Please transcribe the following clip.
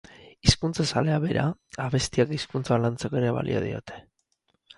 Hizkuntza zalea bera, abestiak hizkuntzak lantzeko ere balio diote.